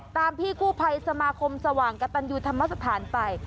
พี่กู้ภัยสมาคมสว่างกระตันยูธรรมสถานไป